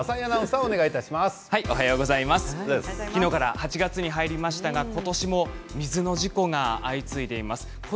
昨日から８月に入りましたが今年も水の事故が相次いでいます。